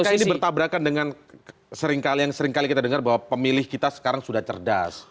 apakah ini bertabrakan dengan yang seringkali kita dengar bahwa pemilih kita sekarang sudah cerdas